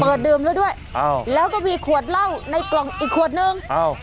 ดื่มแล้วด้วยอ้าวแล้วก็มีขวดเหล้าในกล่องอีกขวดนึงอ้าว